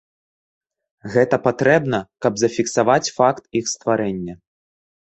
Гэта патрэбна, каб зафіксаваць факт іх стварэння.